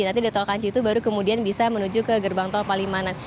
nanti di tol kanci itu baru kemudian bisa menuju ke gerbang tol palimanan